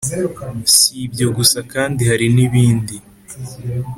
si ibyo gusa kandi hari n'ibindi